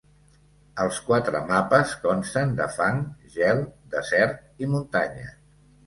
Els quatre mapes consten de fang, gel, desert i muntanyes.